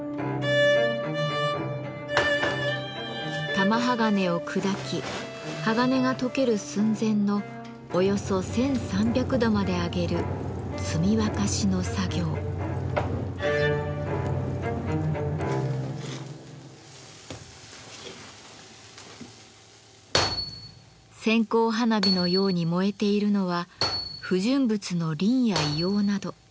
玉鋼を砕き鋼が溶ける寸前のおよそ１，３００度まで上げる線香花火のように燃えているのは不純物のリンや硫黄など。